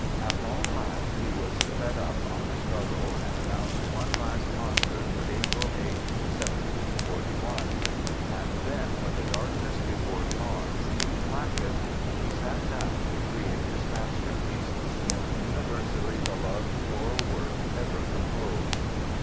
At long last he was fed up on the struggle and announced one last concert for April 8, 1741. And then, when the darkness before dawn seemed blackest, he sat down to create his masterpiece, the most universally beloved choral work ever composed!